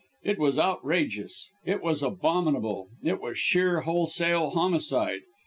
It was outrageous! It was abominable! It was sheer wholesale homicide!